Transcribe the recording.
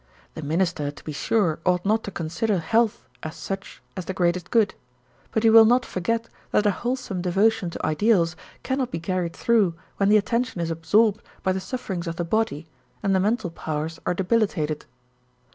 The minister, to be sure, ought not to consider health as such as the greatest good, but he will not forget that a wholesome devotion to ideals cannot be carried through when the attention is absorbed by the sufferings of the body and the mental powers are debilitated.